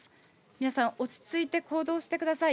皆さん落ち着いて行動してください。